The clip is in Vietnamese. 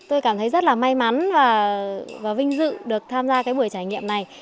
tôi cảm thấy rất là may mắn và vinh dự được tham gia cái buổi trải nghiệm này